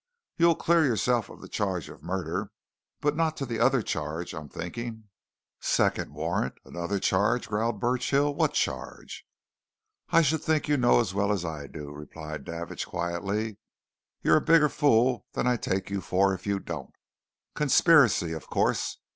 You'll clear yourself of the charge of murder, but not of t'other charge, I'm thinking!" "Second warrant! Another charge!" growled Burchill. "What charge?" "I should think you know as well as I do," replied Davidge quietly. "You're a bigger fool than I take you for if you don't. Conspiracy, of course!